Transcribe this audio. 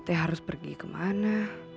t harus pergi kemana